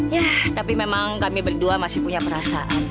ya tapi memang kami berdua masih punya perasaan